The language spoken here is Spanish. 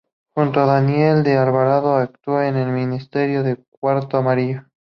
Junto a Daniel de Alvarado actuó en "El Misterio Del Cuarto Amarillo".